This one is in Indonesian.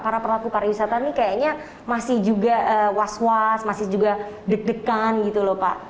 para pelaku pariwisata ini kayaknya masih juga was was masih juga deg degan gitu loh pak